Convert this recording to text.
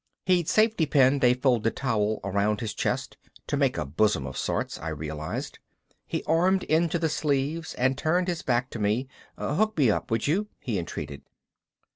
He'd safety pinned a folded towel around his chest to make a bosom of sorts, I realized. He armed into the sleeves and turned his back to me. "Hook me up, would you?" he entreated.